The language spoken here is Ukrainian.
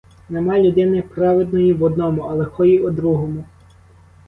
Нема людини праведної в одному, а лихої у другому!